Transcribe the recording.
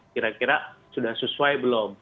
kira kira sudah sesuai belum